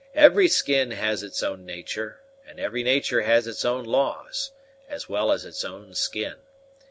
Every skin has its own natur', and every natur' has its own laws, as well as its own skin.